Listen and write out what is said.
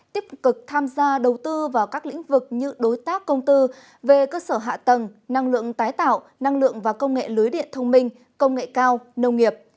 tiếp cực tham gia đầu tư vào các lĩnh vực như đối tác công tư về cơ sở hạ tầng năng lượng tái tạo năng lượng và công nghệ lưới điện thông minh công nghệ cao nông nghiệp